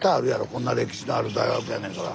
こんな歴史のある大学やねんから。